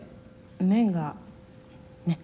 麺がねっ。